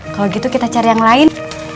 kalau gitu kita cari yang lain